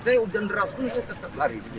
saya hujan deras pun saya tetap lari